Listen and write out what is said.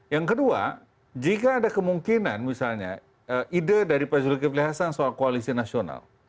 yang kedua jika ada kemungkinan misalnya ide dari pak zulkifli hasan soal koalisi nasional